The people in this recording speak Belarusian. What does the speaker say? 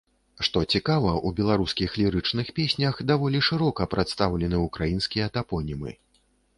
Што цікава, у беларускіх лірычных песнях даволі шырока прадстаўлены украінскія тапонімы.